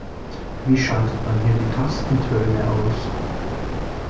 Wie schaltet man hier die Tastentöne aus?